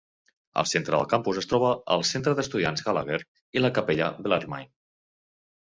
Al centre del campus es troba el centre d'estudiants Gallagher i la capella Bellarmine.